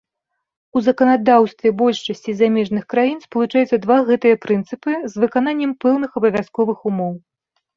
У заканадаўстве большасці замежных краін спалучаюцца два гэтыя прынцыпы з выкананнем пэўных абавязковых умоў.